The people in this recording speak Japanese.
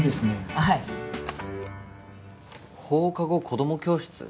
はい放課後こども教室？